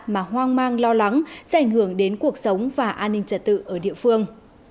mà hoang mang lo lắng sẽ ảnh hưởng đến cuộc sống và an ninh trật tự ở địa phương